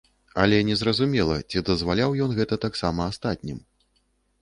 Але не зразумела, ці дазваляў ён гэта таксама астатнім.